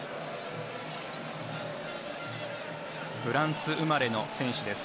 フランス生まれの選手です。